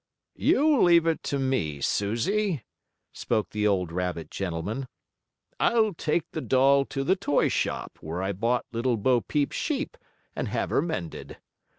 "You leave it to me, Susie," spoke the old rabbit gentleman. "I'll take the doll to the toy shop, where I bought Little Bo Peep's sheep, and have her mended."